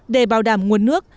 để bảo đảm nguồn nước